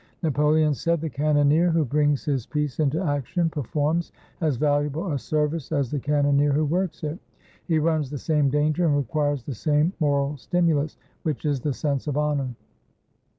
Napoleon said, "The cannoneer who brings his piece into action performs as valuable a service as the can noneer who works it. He runs the same danger, and requires the same moral stimulus, which is the sense of honor."